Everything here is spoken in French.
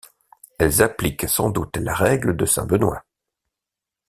Elles appliquent sans doute la règle de saint Benoît.